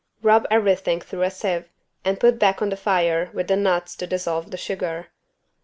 Rub everything through a sieve and put back on the fire with the nuts to dissolve the sugar.